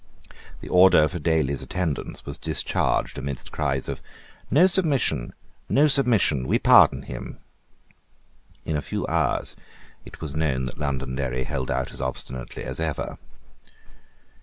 The order for Daly's attendance was discharged amidst cries of "No submission; no submission; we pardon him." In a few hours it was known that Londonderry held out as obstinately as ever.